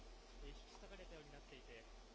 引き裂かれたように折れています。